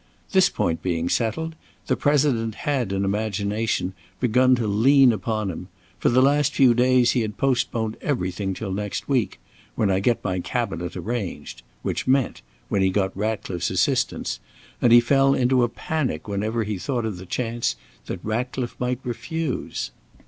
This point being settled, the President had in imagination begun to lean upon him; for the last few days he had postponed everything till next week, "when I get my Cabinet arranged;" which meant, when he got Ratcliffe's assistance; and he fell into a panic whenever he thought of the chance that Ratcliffe might refuse.